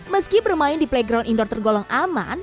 meski bermain di playground indoor tergolong aman